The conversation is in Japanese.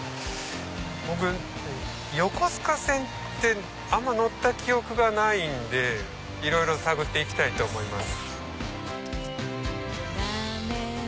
僕横須賀線ってあんま乗った記憶がないんでいろいろ探って行きたいと思います。